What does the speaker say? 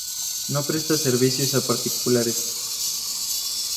No presta servicios a particulares.